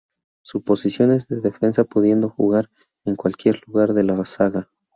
Su posición es defensa pudiendo jugar en cualquier lugar de la zaga.